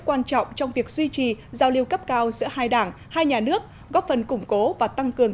quan trọng trong việc duy trì giao lưu cấp cao giữa hai đảng hai nhà nước góp phần củng cố và tăng cường